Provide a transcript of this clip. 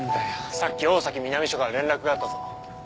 さっき大崎南署から連絡があったぞ。